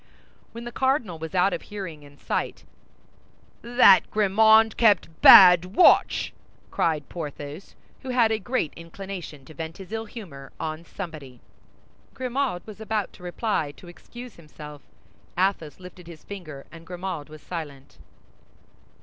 When the cardinal was out of hearing and sight, "That Grimaud kept bad watch!" cried Porthos, who had a great inclination to vent his ill humor on somebody. Grimaud was about to reply to excuse himself. Athos lifted his finger, and Grimaud was silent.